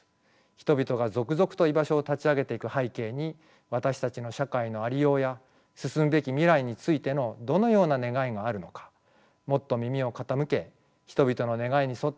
人々が続々と居場所を立ち上げていく背景に私たちの社会のありようや進むべき未来についてのどのような願いがあるのかもっと耳を傾け人々の願いに沿った世の中をつくっていきたいと思います。